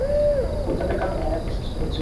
উত্তাপের কারণে এনার্জির সৃষ্টি হচ্ছিল।